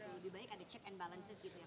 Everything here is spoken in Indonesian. lebih baik ada check and balance